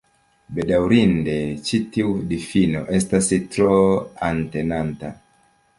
Bedaŭrinde, ĉi tiu difino estas tro entenanta.